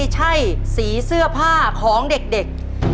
ขอเชิญแสงเดือนมาต่อชีวิตเป็นคนต่อชีวิต